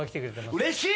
うれしい！